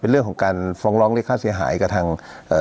เรื่องของการฟ้องร้องเรียกค่าเสียหายกับทางเอ่อ